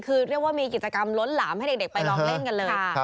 คือเรียกว่ามีกิจกรรมล้นหลามให้เด็กไปลองเล่นกันเลย